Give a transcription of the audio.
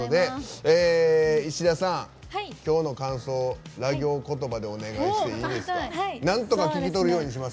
石田さん、今日の感想をラ行言葉でお願いしていいですか。